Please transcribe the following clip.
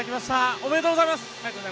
ありがとうございます。